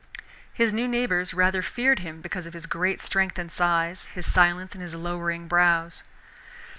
His new neighbors rather feared him because of his great strength and size, his silence and his lowering brows.